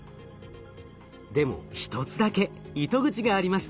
でも一つだけ糸口がありました。